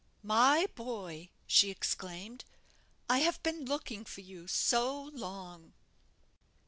"My boy," she exclaimed, "I have been looking for you so long!"